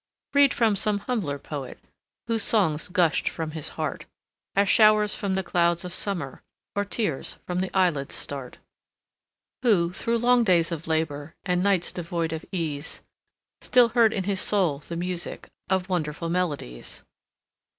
Read from some humbler poet, Whose songs gushed from his heart, As showers from the clouds of summer, Or tears from the eyelids start; Who, through long days of labor, And nights devoid of ease, Still heard in his soul the music Of wonderful melodies.